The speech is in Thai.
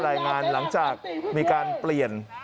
รายงานหลังจากมีการเปลี่ยน